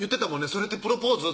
「それってプロポーズ？」